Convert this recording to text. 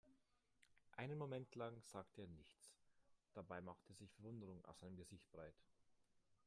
Einen Moment lang sagte er nichts, dabei machte sich Verwunderung auf seinem Gesicht breit.